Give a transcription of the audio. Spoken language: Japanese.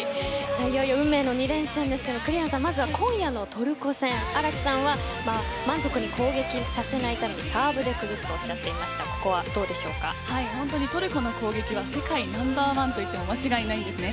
いよいよ運命の２連戦ですけれども栗原さん、まずは今夜のトルコ戦荒木さんは満足に攻撃させないためにサーブで崩すとおっしゃっていましたが本当にトルコの攻撃は世界ナンバーワンと言っても間違いないんですね。